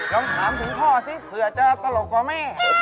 ลองถามถึงพ่อสิเผื่อจะตลกกว่าแม่